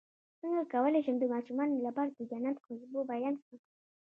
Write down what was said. څنګه کولی شم د ماشومانو لپاره د جنت خوشبو بیان کړم